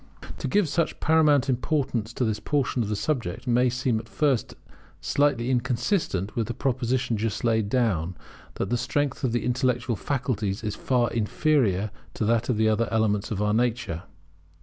To give such paramount importance to this portion of the subject may seem at first sight inconsistent with the proposition just laid down, that the strength of the intellectual faculties is far inferior to that of the other elements of our nature.